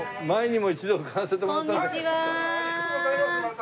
ありがとうございますまた。